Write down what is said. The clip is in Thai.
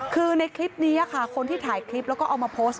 คือในคลิปนี้ค่ะคนที่ถ่ายคลิปแล้วก็เอามาโพสต์